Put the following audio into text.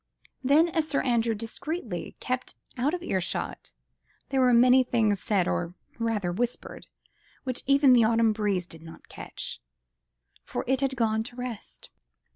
Then, as Sir Andrew discreetly kept out of earshot, there were many things said—or rather whispered—which even the autumn breeze did not catch, for it had gone to rest.